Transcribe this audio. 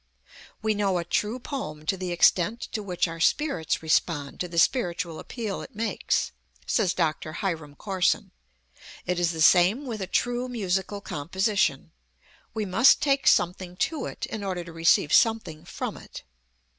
"We know a true poem to the extent to which our spirits respond to the spiritual appeal it makes," says Dr. Hiram Corson. It is the same with a true musical composition. We must take something to it, in order to receive something from it.